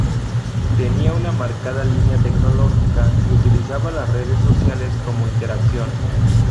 Tenía una marcada línea tecnológica y utilizaba las redes sociales como interacción.